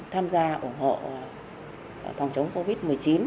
tham gia ủng hộ phòng chống covid một mươi chín